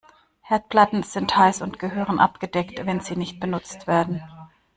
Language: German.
Herdplatten sind heiß und gehören abgedeckt, wenn sie nicht benutzt werden.